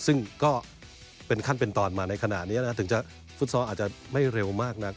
ซึ่งก็เป็นขั้นเป็นตอนมาในขณะนี้นะถึงจะฟุตซอลอาจจะไม่เร็วมากนัก